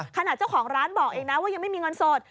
เจ้าของร้านบอกเองนะว่ายังไม่มีเงินสด